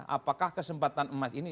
apakah kesempatan emas ini